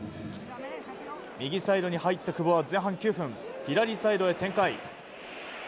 右サイドに入った久保は前半９分、左サイドへ展開。